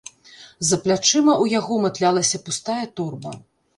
За плячыма ў яго матлялася пустая торба.